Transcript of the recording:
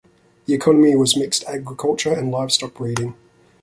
The economy was mixed agriculture and livestock breeding.